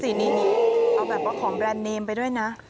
คุณดูสีนี้เอาแบบว่าของแบรนด์เนมไปด้วยนะ